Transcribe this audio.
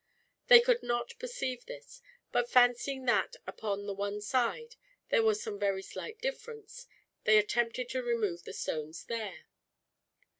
They could not perceive this; but fancying that, upon the one side, there was some very slight difference, they attempted to remove the stones there.